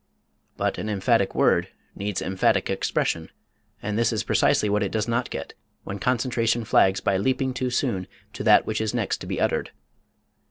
But an emphatic word needs emphatic expression, and this is precisely what it does not get when concentration flags by leaping too soon to that which is next to be uttered.